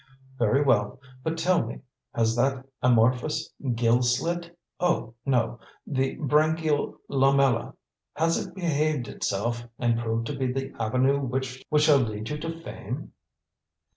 Very well; but tell me; has that amorphous gill slit oh, no, the branchial lamella has it behaved itself and proved to be the avenue which shall lead you to fame?"